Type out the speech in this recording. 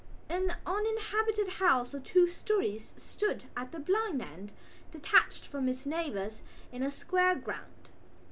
An uninhabited house of two storeys stood at the blind end, detached from its neighbours in a square ground.